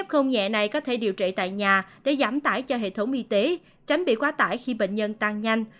không nhẹ này có thể điều trị tại nhà để giảm tải cho hệ thống y tế tránh bị quá tải khi bệnh nhân tăng nhanh